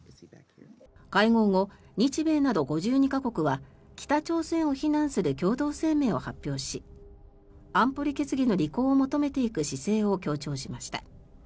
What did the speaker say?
会合後、日米など５２か国は北朝鮮を非難する共同声明を発表し安保理決議の履行を求めていく姿勢を強調しました。